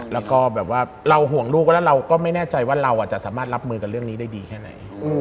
แล้วก็แบบว่าเราห่วงลูกแล้วเราก็ไม่แน่ใจว่าเราจะสามารถรับมือกับเรื่องนี้ได้ดีแค่ไหน